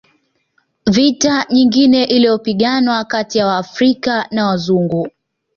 Vita nyingine iliyopiganwa kati ya waafrika na Wazungu